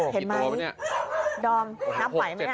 เห็นไหมดอมนับไหวไหม